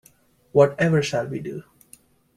What ever shall we do?